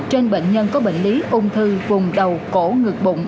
trên bệnh nhân có bệnh lý ung thư vùng đầu cổ ngực bụng